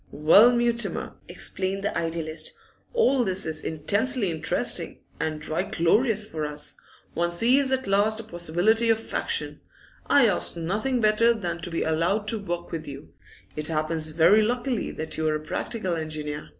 'Well, Mutimer,' exclaimed the idealist, 'all this is intensely interesting, and right glorious for us. One sees at last a possibility of action. I ask nothing better than to be allowed to work with you. It happens very luckily that you are a practical engineer.